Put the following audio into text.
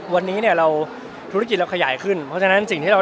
วันนี้ธุรกิจเราขยายขึ้นขยายช่องวิธีของเรา